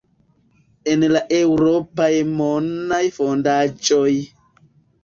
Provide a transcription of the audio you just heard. en la eŭropaj monaj fondaĵoj.